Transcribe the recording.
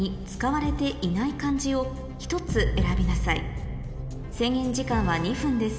次のうち制限時間は２分です